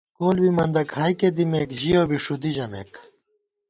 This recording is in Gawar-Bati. کول بی مندہ کھائیکے دِمېک ژِیَؤ بی ݭُدی ژَمېک